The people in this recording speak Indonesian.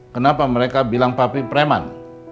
kenapa mereka bilang pabrik preman